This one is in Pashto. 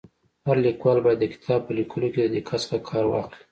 هر لیکوال باید د کتاب په ليکلو کي د دقت څخه کار واخلي.